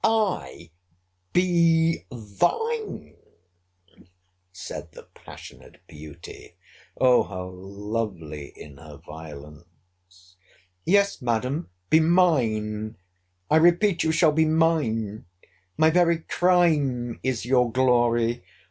—I be thine!—said the passionate beauty. O how lovely in her violence! Yes, Madam, be mine! I repeat you shall be mine! My very crime is your glory.